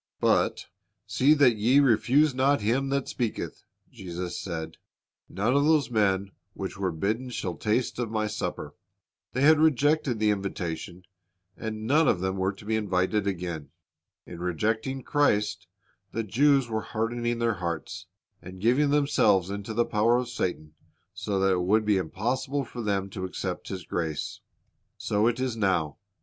But "see that ye refuse not Him that speaketh."^ Jesus said, "None of those men which were bidden shall taste of My supper." They had rejected the invitation, and none of them were to be invited again. In rejecting Christ, the Jews were hardening their hearts, and giving themselves ijude 22,23 2 Luke 19 : 5 ^ i jgjj_ 12 ; 25 ''Go into the High zc> ay s" 237 into the power of Satan, so that it would be impossible for them to accept His grace. So it is now.